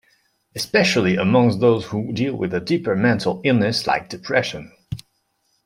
Especially amongst those who deal with deeper mental illnesses like depression.